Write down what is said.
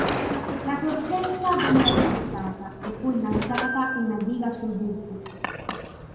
La fortezza venne rafforzata e fu innalzata una diga sul Bug.